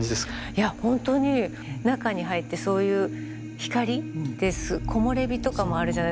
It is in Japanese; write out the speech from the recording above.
いやほんとに中に入ってそういう光で木漏れ日とかもあるじゃないですか。